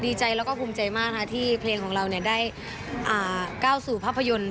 ดีใจแล้วก็ภูมิใจมากที่เพลงของเราได้ก้าวสู่ภาพยนตร์